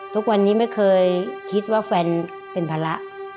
ทุกวันนี้ไม่เคยคิดว่าแฟนเป็นภาระ